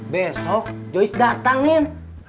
besok joyce datang nin